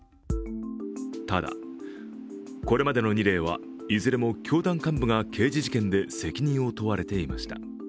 ただ、これまでの２例はいずれも教団幹部が刑事事件で責任を問われていました。